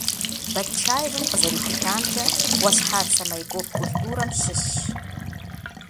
Батчаевым къызэрихутамкӀэ, Ӏуащхьацэ майкоп культурэм щыщщ.